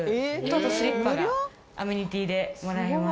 あとスリッパがアメニティーでもらえます。